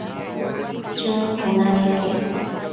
Chën cuna neque